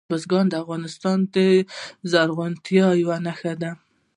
بزګان د افغانستان د زرغونتیا یوه نښه ده.